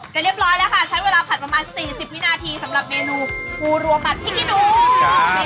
ก็เรียบร้อยแล้วค่ะใช้เวลาผัดประมาณสี่สิบวินาทีสำหรับเมนู